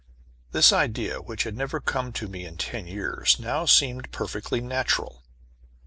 This idea, which had never come to me in ten years, seemed now perfectly natural.